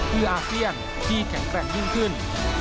เพื่ออาเซียนที่แข็งแกร่งยิ่งขึ้น